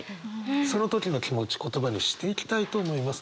その時の気持ち言葉にしていきたいと思います。